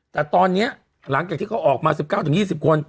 แต่ตอนนี้หลังจากที่เขาออกมา๑๙๒๐คน